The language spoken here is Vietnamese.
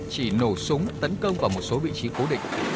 chỉ nổ súng tấn công vào một số vị trí cố định